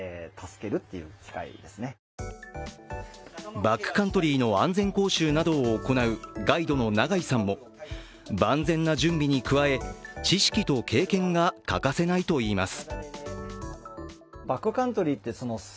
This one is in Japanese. バックカントリーの安全講習などを行うガイドの長井さんも万全な準備に加え、知識と経験が欠かせないといいます。